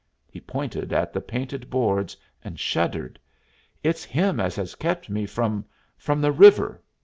He pointed at the painted boards, and shuddered. "It's him as has kept me from from the river!"